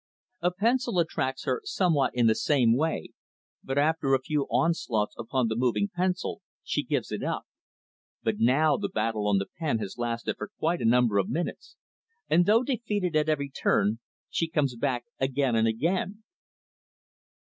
"A pencil attracts her somewhat in the same way, but after a few onslaughts upon the moving pencil she gives it up; but now the battle on the pen has lasted for quite a number of minutes, and though defeated at every turn, she comes back again and again."